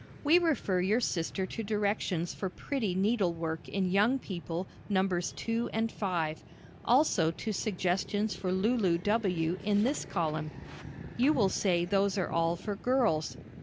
We refer your sister to directions for pretty needle work in Young People, Nos. 2 and 5, also to suggestions for Lulu W., in this column. You will say those are all for girls.